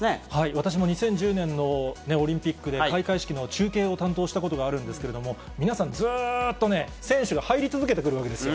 私も２０１０年のオリンピックで開会式の中継を担当したことがあるんですけれども、皆さん、ずーっとね、選手が入り続けてくるわけですよ。